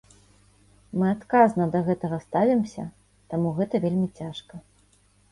Мы адказна да гэтага ставімся, таму гэта вельмі цяжка.